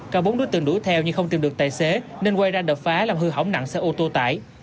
cả bốn đối tượng đuổi theo nhưng không tìm được tài xế nên quay ra đập phá làm hư hỏng nặng xe ô tô tải